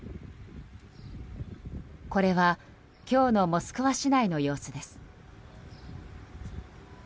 これは今日のモスクワ市内の様子です。